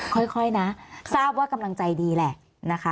ค่อยนะทราบว่ากำลังใจดีแหละนะคะ